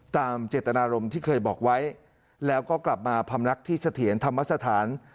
ตามเจตนารมณ์ที่เคยบอกไว้แล้วก็กลับมาพำนักที่เสถียรธรรมสถาน